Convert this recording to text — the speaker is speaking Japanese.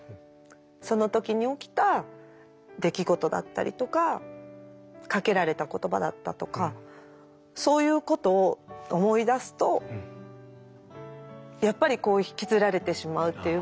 その時に起きた出来事だったりとかかけられた言葉だったとかそういうことを思い出すとやっぱり引きずられてしまうっていう部分があって。